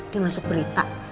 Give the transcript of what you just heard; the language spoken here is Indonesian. dia masuk berita